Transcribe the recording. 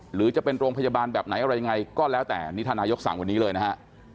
หรือจะเป็นโรงพยาบาลแบบไหนอะไรยังไงก็แล้วแต่นี่ท่านนายกสั่งวันนี้เลยนะฮะ